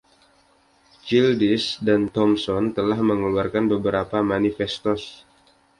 Childish dan Thomson telah mengeluarkan beberapa manifestos.